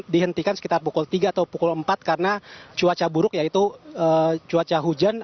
dihentikan sekitar pukul tiga atau pukul empat karena cuaca buruk yaitu cuaca hujan